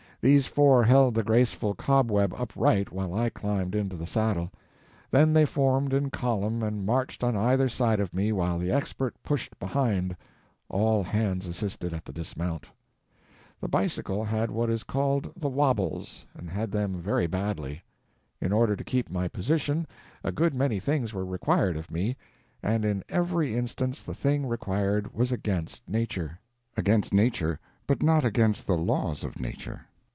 These four held the graceful cobweb upright while I climbed into the saddle; then they formed in column and marched on either side of me while the Expert pushed behind; all hands assisted at the dismount. The bicycle had what is called the "wabbles," and had them very badly. In order to keep my position, a good many things were required of me, and in every instance the thing required was against nature. Against nature, but not against the laws of nature.